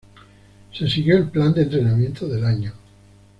Se siguió el plan de entrenamiento del año.